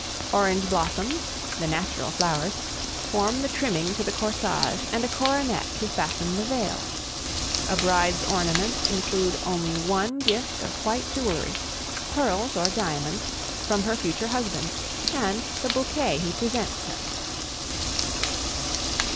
Orange blossoms, the natural flowers, form the trimming to the corsage and a coronet to fasten the veil. A bride's ornaments include only one gift of white jewelry, pearls or diamonds, from her future husband, and the bouquet he presents her.